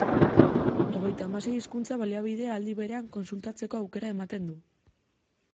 Hogeita hamasei hizkuntza-baliabide aldi berean kontsultatzeko aukera ematen du.